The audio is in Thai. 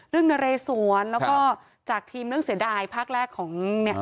นเรสวนแล้วก็จากทีมเรื่องเสียดายภาคแรกของเนี่ย